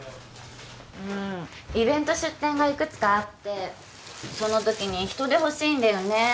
うんイベント出店がいくつかあってその時に人手ほしいんだよね